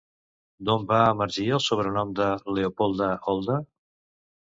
D'on va emergir el sobrenom de Leopolda Olda?